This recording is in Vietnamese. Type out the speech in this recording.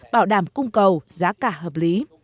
bảo đảm cung cầu giá cả hợp lý